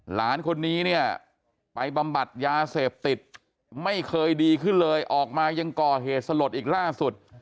หลานคนนี้เนี่ยไปบำบัดยาเสพติดไม่เคยดีขึ้นเลยออกมายังก่อเหตุสลดอีกล่าสุด